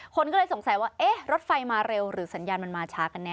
คนก็เลยสงสัยว่าเอ๊ะรถไฟมาเร็วหรือสัญญาณมันมาช้ากันแน